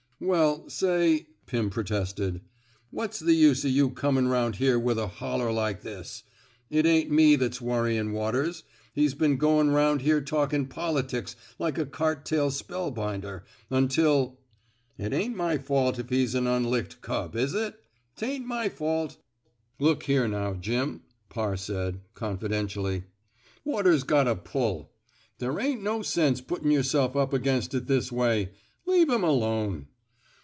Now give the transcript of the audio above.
'Well, say/' Pirn protested, what's the use o' you comin' round here with a hol ler like this? It ain't me that's worryin' Waters. He's been goin' round here talkin' politics like a cart tail spellbinder, until — It ain't my fault if he's an un licked cub, is it? 'Taint my fault! "Look here, now, Jim," Parr said, con fidentially, Waters 's got a pull. There's no sense puttin' yerself up against it this way. Leave 'm alone."